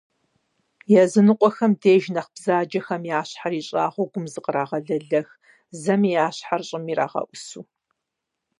Языныкъуэхэм деж нэхъ бзаджэхэм я щхьэр ищӀагъыу гум зыкърагъэлэлэх, зэми я щхьэр щӀым ирагъэӀусэ.